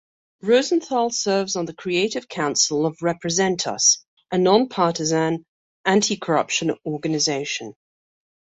Rosenthal serves on the Creative Council of Represent.Us, a nonpartisan anti-corruption organization.